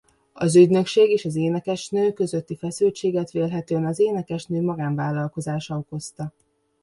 Az ügynökség és az énekesnő közötti feszültséget vélhetően az énekesnő magánvállalkozása okozta.